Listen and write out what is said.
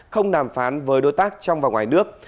không đàm phán với đối tác trong và ngoài nước